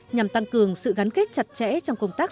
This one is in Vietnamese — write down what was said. nhằm tăng cường sự gắn kết chặt chẽ trong công tác